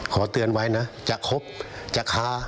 ขอเตือนไว้นะจะค้าหรือจะสมาคมกับคนพวกนี้ขอให้คิดให้ดี